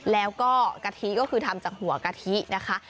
แล้วก็กะทิก็คือทำจากหัวกะทินะคะ